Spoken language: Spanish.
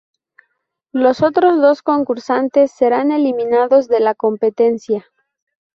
Los otros dos concursantes serán eliminados de la competencia.